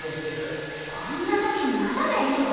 こんな時にまだ勉強？